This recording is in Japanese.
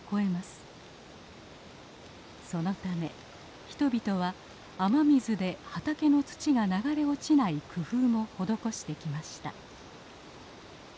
そのため人々は雨水で畑の土が流れ落ちない工夫も施してきました。